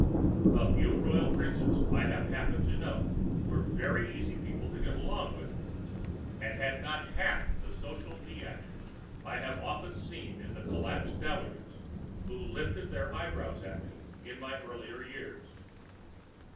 The few Royal Princes I have happened to know were very easy people to get along with, and had not half the social knee [Pg 538]action I have often seen in the collapsed dowagers who lifted their eyebrows at me in my earlier years.